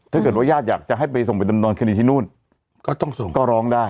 ถ้าเกิดว่าญาติอยากจะให้ไปส่งไปดำเนินคดีที่นู่นก็ต้องส่งก็ร้องได้